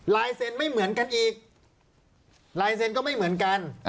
ลายเซ็นต์ไม่เหมือนกันอีกลายเซ็นต์ก็ไม่เหมือนกัน